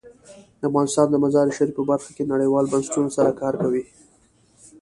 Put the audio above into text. افغانستان د مزارشریف په برخه کې نړیوالو بنسټونو سره کار کوي.